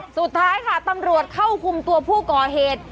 สุดท้ายค่ะตำรวจเข้าคุมตัวผู้ก่อเหตุ